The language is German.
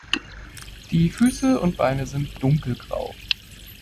Die Füße und Beine sind dunkelgrau.